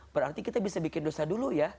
berarti kita bisa bikin dosa dulu ya